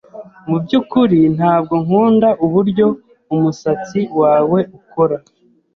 Mubyukuri, ntabwo nkunda uburyo umusatsi wawe ukora.